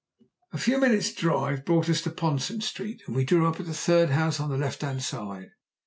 A few minutes' drive brought us to Ponson Street, and we drew up at the third house on the left hand side.